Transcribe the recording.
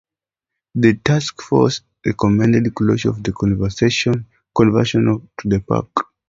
The task force recommended closure and conversion to a park.